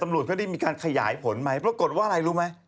ตำรวจเขาได้มีการขยายผลไหมปรากฏว่าอะไรรู้ไหม